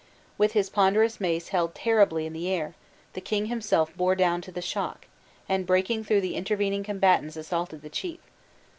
With his ponderous mace held terribly in the air, the king himself bore down to the shock; and breaking through the intervening combatants assaulted the chief.